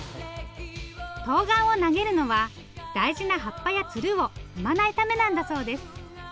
とうがんを投げるのは大事な葉っぱやツルを踏まないためなんだそうです。